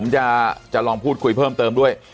ผมจะลองพูดคุยเพิ่มเติมด้วย